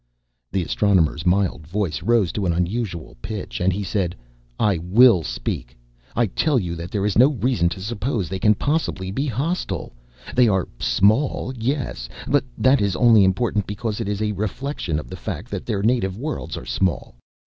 The Astronomer's mild voice rose to an unusual pitch and he said, "I will speak. I tell you that there is no reason to suppose they can possibly be hostile. They are small, yes, but that is only important because it is a reflection of the fact that their native worlds are small.